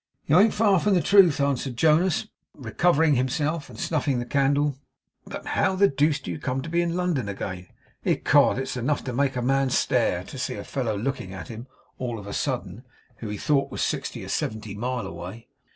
'You ain't far from the truth,' answered Jonas, recovering himself and snuffing the candle; 'but how the deuce do you come to be in London again? Ecod! it's enough to make a man stare, to see a fellow looking at him all of a sudden, who he thought was sixty or seventy mile away.